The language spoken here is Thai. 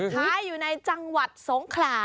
ขายอยู่ในจังหวัดสงขลา